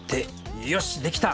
よしできた！